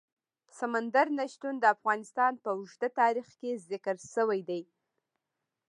سمندر نه شتون د افغانستان په اوږده تاریخ کې ذکر شوی دی.